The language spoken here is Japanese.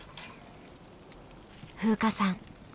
風花さん